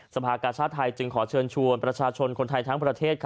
สภากาชาติไทยจึงขอเชิญชวนประชาชนคนไทยทั้งประเทศ